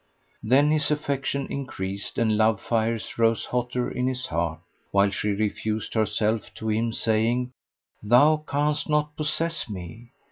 Then his affection increased and love fires rose hotter in his heart, while she refused herself to him saying, "Thou canst not possess me."